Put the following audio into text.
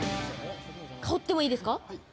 かおってもいいですか。